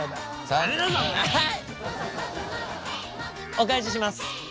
お返しします。